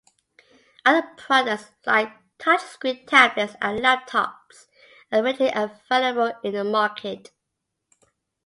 Other products, like touchscreen tablets and laptops, are readily available in the market.